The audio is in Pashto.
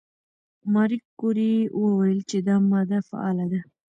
ماري کوري وویل چې دا ماده فعاله ده.